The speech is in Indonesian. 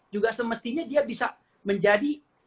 juga semestinya dia bisa menjadi